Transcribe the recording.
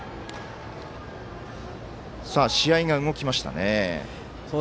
試合が動きましたね。